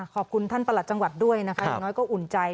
ขอบคุณท่านประหลัดจังหวัดด้วยนะคะอย่างน้อยก็อุ่นใจ